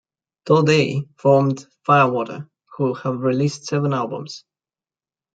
Tod A formed Firewater, who have released seven albums.